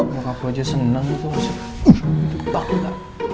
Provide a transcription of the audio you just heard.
maka aku aja seneng tuh